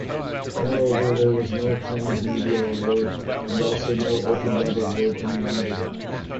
Moreover, there was no transmediale Award and also no Open Web Award any longer.